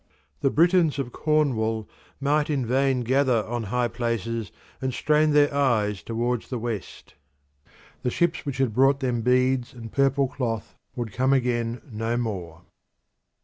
The Britons of Cornwall might in vain gather on high places and strain their eyes towards the west. The ships which had brought them beads and purple cloth would come again no more.